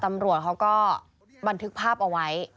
ตำรวจเขาก็บันทึกภาพเอาไว้